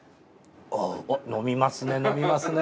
飲みますね飲みますね。